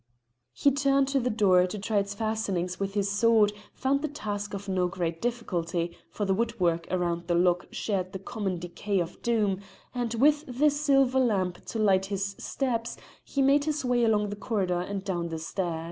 He turned to the door to try its fastenings with his sword, found the task of no great difficulty, for the woodwork round the lock shared the common decay of Doom, and with the silver lamp to light his steps, he made his way along the corridor and down the stair.